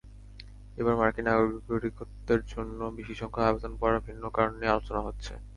এবার মার্কিন নাগরিকত্বের জন্য বেশিসংখ্যক আবেদনপত্র পড়ার ভিন্ন কারণ নিয়ে আলোচনা হচ্ছে।